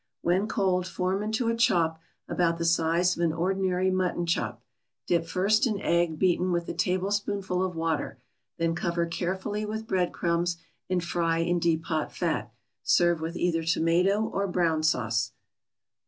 When cold form into a chop about the size of an ordinary mutton chop. Dip first in egg beaten with a tablespoonful of water, then cover carefully with bread crumbs and fry in deep hot fat. Serve with either tomato or brown sauce.